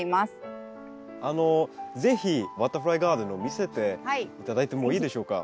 あの是非バタフライガーデンを見せて頂いてもいいでしょうか？